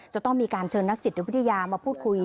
จะต้องมีการเชิญนักจิตวิทยามาพูดคุย